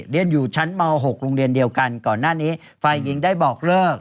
เรียนอยู่ชั้นม๖โรงเรียนเดียวกันก่อนหน้านี้ฝ่ายหญิงได้บอกเลิก